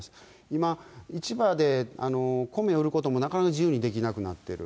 今、市場でコメを売ることもなかなか自由にできなくなってる。